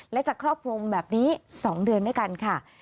และจะครอบคลุมแบบนี้๒เดือนด้วยกันค่ะ